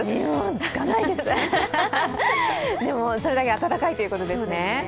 つかないです、でもそれだけ暖かいということですね。